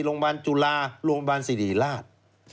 โรงพยาบาลจุฬาโรงพยาบาลสิริราช